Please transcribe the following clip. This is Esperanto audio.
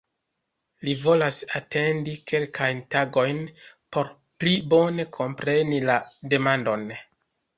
Li volas atendi kelkajn tagojn por "pli bone kompreni la demandon".